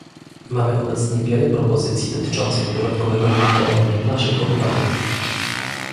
Mamy obecnie wiele propozycji dotyczących dodatkowego monitorowania naszych obywateli